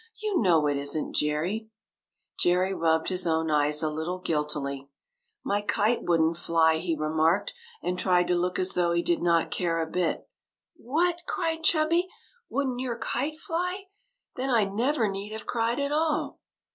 You know it is n't, Jerry !" Jerry rubbed his own eyes a little guiltily. 1 66 THE KITE THAT " My kite would n't fly," he remarked, and tried to look as though he did not care a bit. " What !" cried Chubby. '' Would n't your kite fly? Then I never need have cried at all."